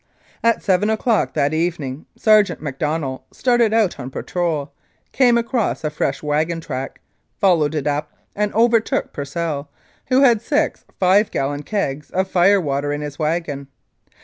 At seven o'clock that evening Sergeant Macdonell started out on patrol, came across a fresh wagon track, followed it up, and over took Percel, who had six five gallon kegs of fire water in his wagon.